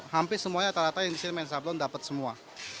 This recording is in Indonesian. hampir semuanya rata rata yang di sini main sablon dapat semua